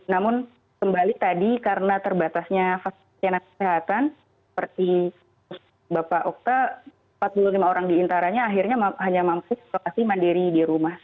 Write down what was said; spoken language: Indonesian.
namun kembali tadi karena terbatasnya fasilitas kesehatan seperti bapak okta empat puluh lima orang diantaranya akhirnya hanya mampu isolasi mandiri di rumah